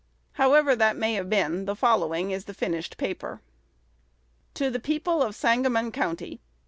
However that may have been, the following is the finished paper: To the People of Sangamon County.